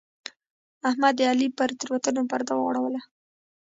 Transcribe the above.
احمد د علي پر تېروتنو پرده وغوړوله.